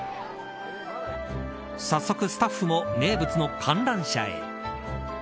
早速スタッフも名物の観覧車へ。